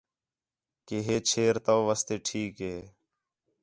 کہ ہے چھیر تو واسطے ٹھیک ہِے